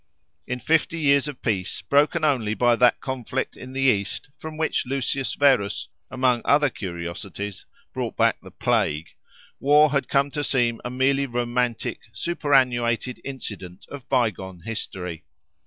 In fifty years of peace, broken only by that conflict in the East from which Lucius Verus, among other curiosities, brought back the plague, war had come to seem a merely romantic, superannuated incident of bygone history.